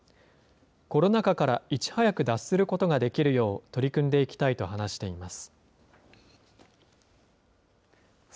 コロナ禍からいち早く脱することができるよう取り組んでいきたいと話しています。